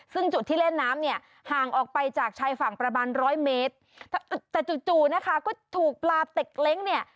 ซึ่งจุดที่เล่นน้ำเนี่ยห่างออกไปจากชายฝั่งประมาณร้อยเมตรแต่จู่จู่นะคะก็ถูกปลาเต็กเล้งเนี่ย